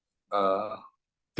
harapan kami yang pasti